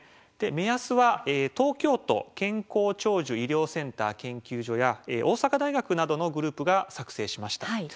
目安は東京都健康長寿医療センター研究所や大阪大学などのグループが作成しました。